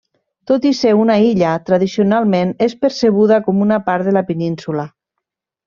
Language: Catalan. Tot i ser una illa, tradicionalment és percebuda com una part de la península.